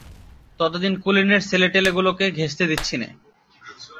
ততদিন কুলীনের ছেলেটেলেগুলোকে ঘেঁষতে দিচ্ছি নে!